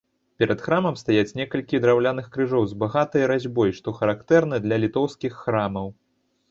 Перад храмам стаяць некалькі драўляных крыжоў з багатай разьбой, што характэрна для літоўскіх храмаў.